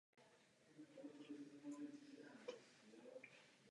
Ti budou spolupracovat v takzvaných Znalostních a inovačních společenstvích.